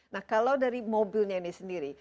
nah kalau dari mobilnya ini sendiri